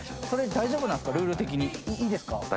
それで大丈夫なんですか？